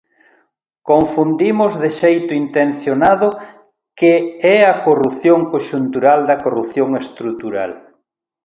Confundimos de xeito intencionado que é a corrupción conxuntural da corrupción estrutural.